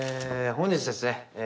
本日ですねえ